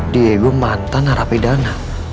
diego mantan harapi dana